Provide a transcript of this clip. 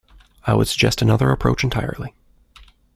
I would suggest another approach entirely.